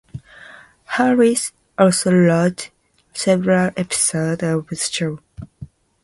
Harris also wrote several episodes of the show.